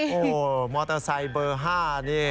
โอ้โหมอเตอร์ไซค์เบอร์๕นี่